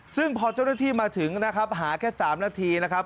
ซึ่งพอเจ้าหน้าที่มาถึงนะครับหาแค่๓นาทีนะครับ